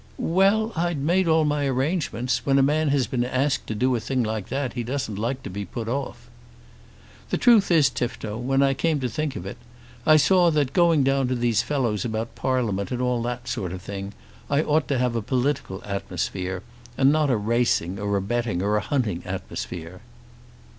"Well; I'd made all my arrangements. When a man has been asked to do a thing like that, he doesn't like to be put off." "The truth is, Tifto, when I came to think of it, I saw that, going down to these fellows about Parliament and all that sort of thing, I ought to have a political atmosphere, and not a racing or a betting or a hunting atmosphere."